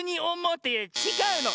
ってちがうの！